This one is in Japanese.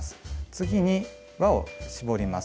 次に輪を絞ります。